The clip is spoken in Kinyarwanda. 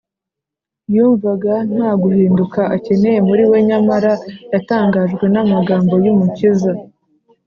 . Yumvaga nta guhinduka akeneye muri we. Nyamara yatangajwe n’amagambo y’Umukiza